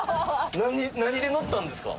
何で乗ったんですか？